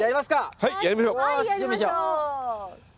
はいやりましょう。